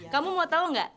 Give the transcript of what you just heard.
kamu mau tau nggak